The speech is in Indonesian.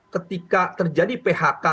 ketika terjadi phk